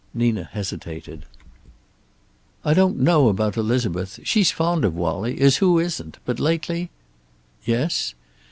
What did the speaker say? Nina hesitated. "I don't know about Elizabeth. She's fond of Wallie, as who isn't? But lately " "Yes?"